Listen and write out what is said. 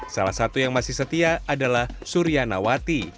salah satu yang masih setia adalah surya nawati